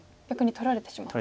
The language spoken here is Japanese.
取られてしまう。